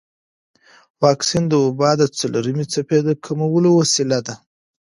واکسن د وبا د څلورمې څپې د کمولو وسیله ده.